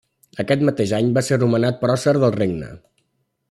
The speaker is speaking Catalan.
Aquest mateix any va ser nomenat Pròcer del Regne.